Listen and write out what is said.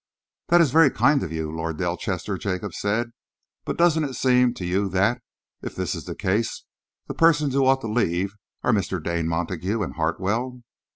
"This is very kind of you, Lord Delchester," Jacob said, "but doesn't it seem to you that, if this is the case, the persons who ought to leave are Mr. Dane Montague and Hartwell?"